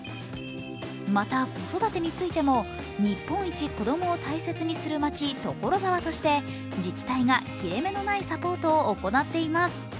また子育てについても日本一、子どもを大切にするマチ所沢として自治体が切れ目のないサポートを行っています。